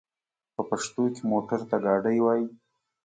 په پښتو کې موټر ته ګاډی وايي.